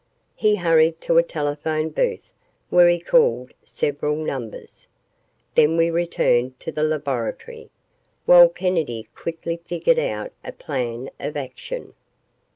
He hurried to a telephone booth where he called several numbers. Then we returned to the laboratory, while Kennedy quickly figured out a plan of action.